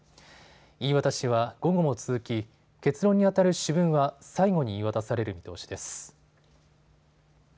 言い渡しは午後も続き結論にあたる主文は最後に言い渡される見通しです。